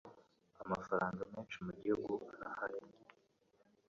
amafaranga menshi mu gihugu arahari